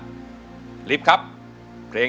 อเรนนี่มันยากสำหรับล้าน